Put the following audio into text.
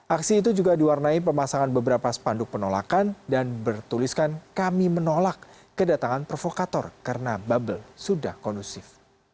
aksi itu juga diwarnai pemasangan beberapa spanduk penolakan dan bertuliskan kami menolak kedatangan provokator karena bubble sudah kondusif